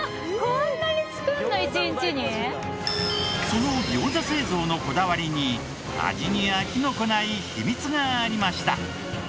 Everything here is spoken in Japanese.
その餃子製造のこだわりに味に飽きの来ない秘密がありました。